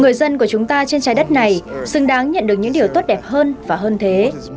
người dân của chúng ta trên trái đất này xứng đáng nhận được những điều tốt đẹp hơn và hơn thế